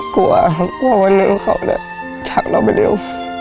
กลัวกลัววันหนึ่งเขาจะชักเราไปเร็ว